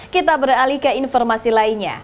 kita beralih ke informasi lainnya